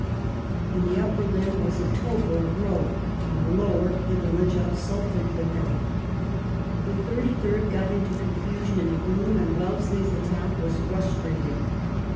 In the upper limb was a tope or grove; in the lower the village of Sultanpetah. The Thirty third got into confusion in the gloom, and Wellesley's attack was frustrated.